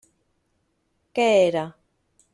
Què era?